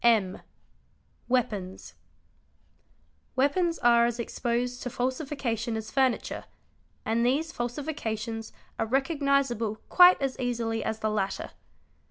M. Weapons (1205), Weapons are as exposed to falsification as furniture, and these falsifi cations are recognisable quite as easily as the latter.